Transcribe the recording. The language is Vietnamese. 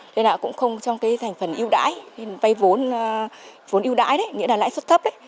nên là cũng không trong thành phần ưu đại vay vốn vốn ưu đại nghĩa là lãi sức thấp